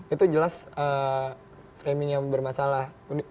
itu jelas framing yang bermasalah